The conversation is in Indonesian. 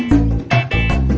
gw udah kedeki